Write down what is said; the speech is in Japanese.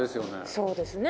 そうですね。